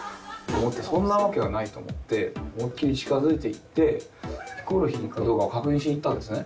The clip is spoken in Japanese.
そんなわけはないと思って思いっきり近付いていってヒコロヒーかどうかを確認しに行ったんですね。